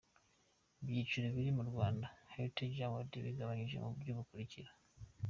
Ibyiciro biri muri Rwandan Heritage Awards bigabanyije mu buryo bukurikira:.